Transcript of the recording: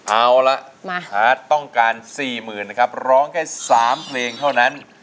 เอาละต้องการ๔หมื่นนะครับร้องค่ะ๓เพลงเท่านั้น